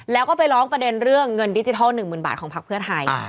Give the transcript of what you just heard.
แล้วก็ไปร้องประเด็นเรื่องเงินดิจิทัล๑๐๐๐บาทของพักเพื่อไทย